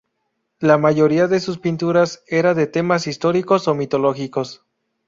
La mayoría de sus pinturas era de temas históricos o mitológicos.